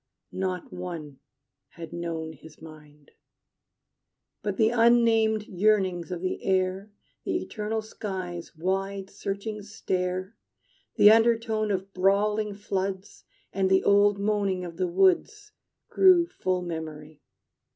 Not one had known his mind. But the unnamed yearnings of the air, The eternal sky's wide searching stare, The undertone of brawling floods, And the old moaning of the woods Grew full of memory.